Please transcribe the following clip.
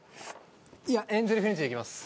いやエンゼルフレンチでいきます！